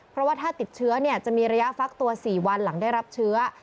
เพราะว่าถ้าติดเชื้อจะมีระยะฟักตัว๔วันหลังได้รับเชื้อ